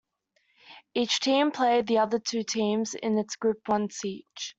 Each team played the other two teams in its group once each.